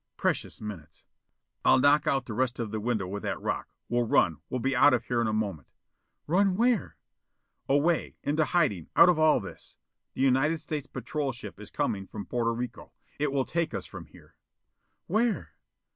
Precious minutes! "I'll knock out the rest of the window with that rock! We'll run; we'll be out of here in a moment." "Run where?" "Away. Into hiding out of all this. The United States patrol ship is coming from Porto Rico. It will take us from here." "Where?"